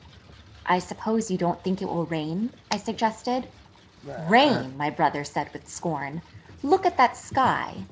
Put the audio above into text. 'I suppose you don't think it will rain?' I suggested. 'Rain!' My brother said with scorn. 'Look at that sky!